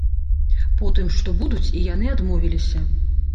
Потым, што будуць, і яны адмовіліся.